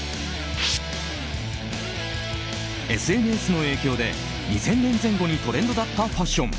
ＳＮＳの影響で２０００年前後にトレンドだったファッション